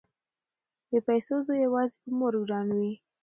بې پيسو زوی يواځې په مور ګران وي